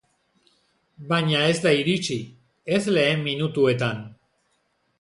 Baina ez da iritsi, ez lehen minutuetan.